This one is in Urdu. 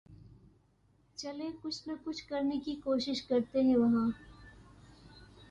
چلیں کچھ نہ کچھ کرنیں کی کیںشش کرتیں ہیں وہاں